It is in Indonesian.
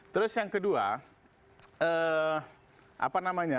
terus yang kedua